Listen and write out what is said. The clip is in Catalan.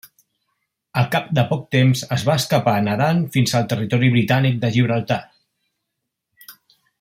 Al cap de poc temps es va escapar nadant fins al territori britànic de Gibraltar.